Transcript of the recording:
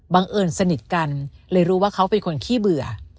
บังเอิญสนิทกันเลยรู้ว่าเขาเป็นคนขี้เบื่อ